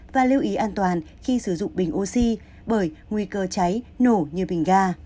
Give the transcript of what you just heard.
và lưu ý an toàn khi sử dụng bình oxy bởi nguy cơ cháy nổ như bình ga